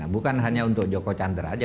bukan hanya untuk joko chandra saja